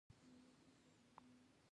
د لونګو د تولید لپاره حکومتونه کنټرول کړل.